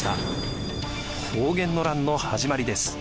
保元の乱の始まりです。